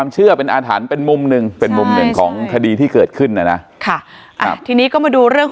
ไม่ได้ซื้อ